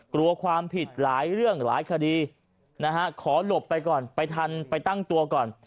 กลัวความผิดหลายเรื่องหลายคดีนะฮะขอหลบไปก่อนไปทันไปตั้งตัวก่อน